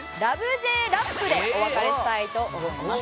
Ｊラップでお別れしたいと思います。